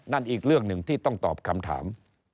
อีกเรื่องหนึ่งที่ต้องตอบคำถาม